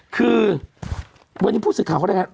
คือวันนี้พูดสิทธิ์ข่าวก็ได้ค่ะ